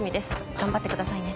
頑張ってくださいね。